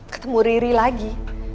ketemu riri lagi